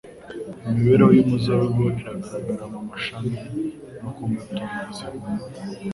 Imibereho y'umuzabibu igaragara mu mashami no ku mbuto zihumura.